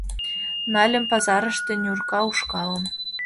Нальым пазарыште Нюрка ушкалым